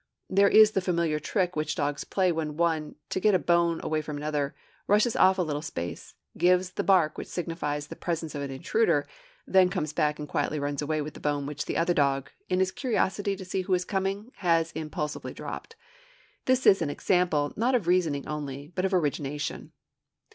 There is the familiar trick which dogs play when one, to get a bone away from another, rushes off a little space, gives the bark which signifies the presence of an intruder, then comes back and quietly runs away with the bone which the other dog, in his curiosity to see who is coming, has impulsively dropped. This is an example, not of reasoning only, but of origination.